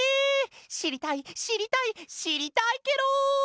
しりたいしりたいしりたいケロ！